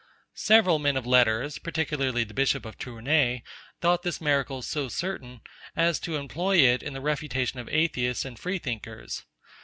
Several men of letters, particularly the bishop of Tournay, thought this miracle so certain, as to employ it in the refutation of atheists and free thinkers.